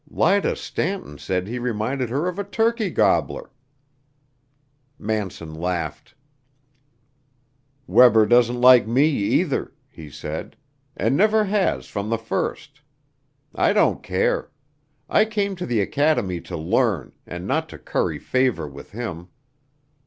Lida Stanton said he reminded her of a turkey gobbler." Manson laughed. "Webber doesn't like me, either," he said, "and never has from the first. I don't care. I came to the academy to learn, and not to curry favor with him.